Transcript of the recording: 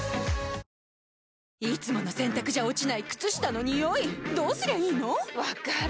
いつもの洗たくじゃ落ちない靴下のニオイどうすりゃいいの⁉分かる。